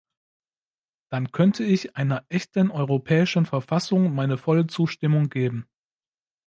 Dann könnte ich einer echten europäischen Verfassung meine volle Zustimmung geben.